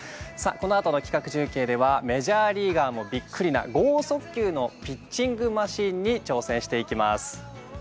このあと企画中継では、メジャーリーガーもびっくりな剛速球のピッチングマシンに挑戦していきます。